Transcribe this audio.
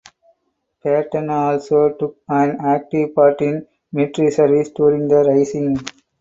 Patten also took an active part in military service during the rising.